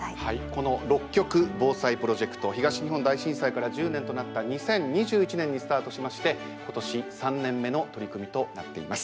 この６局防災プロジェクト東日本大震災から１０年となった２０２１年にスタートしまして今年３年目の取り組みとなっています。